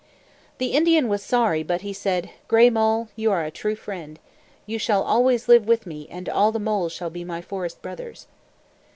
The Indian was sorry, but he said, "Gray Mole, you are a true friend. You shall always live with me, and all the moles shall be my forest brothers."